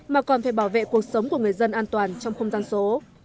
mà còn phải bảo vệ cuộc sống của người dân an toàn trong không gian số